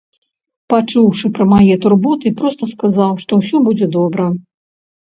Пачуўшы пра мае турботы, проста сказаў, што ўсё будзе добра.